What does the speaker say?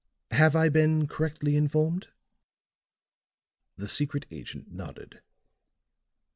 Have I been correctly informed?" The secret agent nodded.